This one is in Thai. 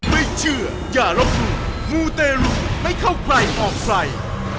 ไม่เชื่ออย่าลบมูลมูลเตรียมไม่เข้าใครออกใกล้